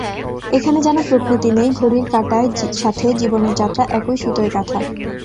এখানে যেন প্রকৃতি নেই, ঘড়ির কাঁটার সাথে জীবনের যাত্রা একই সুঁতোয় গাঁথা।